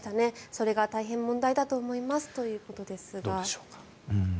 それが大変問題だと思いますということですが。